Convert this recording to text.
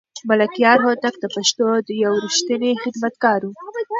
ملکیار هوتک د پښتو یو رښتینی خدمتګار و.